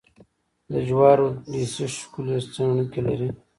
د جوارو ډېسې ښکلې څڼکې لري.